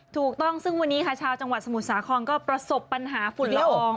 ถูกต้องซึ่งวันนี้ค่ะชาวจังหวัดสมุทรสาครก็ประสบปัญหาฝุ่นละออง